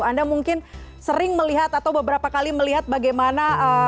anda mungkin sering melihat atau beberapa kali melihat bagaimana